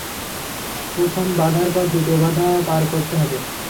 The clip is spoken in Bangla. প্রথম বাধার পর দ্বিতীয় বাধা পার করতে হবে।